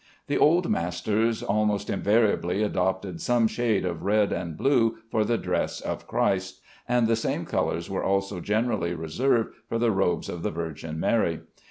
The old masters almost invariably adopted some shade of red and blue for the dress of Christ, and the same colors were also generally reserved for the robes of the Virgin Mary.